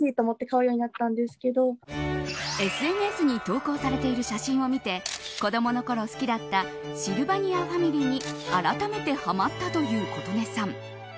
ＳＮＳに投稿されている写真を見て子どものころ好きだったシルバニアファミリーにあらためてはまったということねさん。